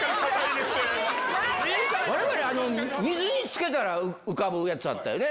われわれ、水につけたら浮かぶやつあったよね？